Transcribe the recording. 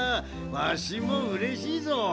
わしもうれしいぞ。